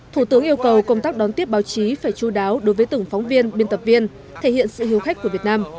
thủ tướng yêu cầu công tác đón tiếp báo chí phải chú đáo đối với từng phóng viên biên tập viên thể hiện sự hiếu khách của việt nam